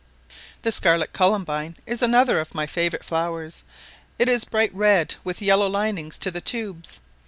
The scarlet columbine is another of my favourite flowers; it is bright red, with yellow linings to the tubes.